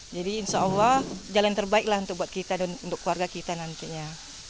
jadi insya allah jalan terbaik untuk buat kita dan keluarga kita nantinya